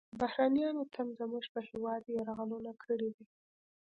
بهرنیانو تل زموږ په هیواد یرغلونه کړي دي